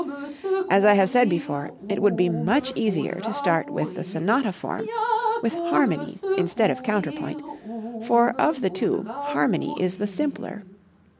As I have said before, it would be much easier to start with the sonata form, with harmony instead of counterpoint, for of the two harmony is the simpler.